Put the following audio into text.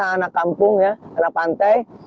anak kampung ya anak pantai